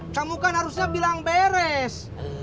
kamu kan harusnya bilang beres